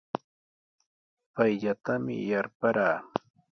Payllatami yarparaa.